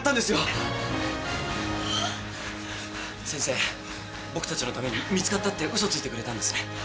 先生僕たちのために見つかったって嘘ついてくれたんですね？